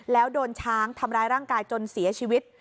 แล้วโดนช้างทำร้ายร่างกายจนเสียชีวิต